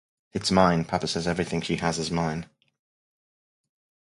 It’s mine: papa says everything she has is mine.